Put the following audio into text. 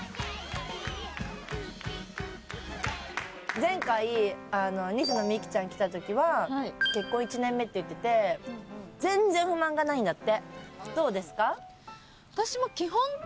前回、西野未姫ちゃん来た時は結婚１年目って言ってて全然不満がないんだって。